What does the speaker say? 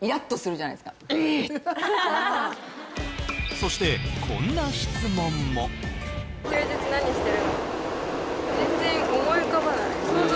そしてこんな質問も気になる